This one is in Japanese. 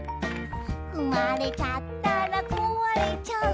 「ふまれちゃったらこわれちゃう」